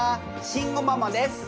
慎吾ママです。